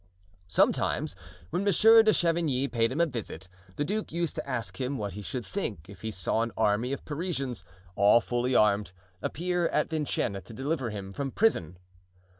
Sometimes, when Monsieur de Chavigny paid him a visit, the duke used to ask him what he should think if he saw an army of Parisians, all fully armed, appear at Vincennes to deliver him from prison.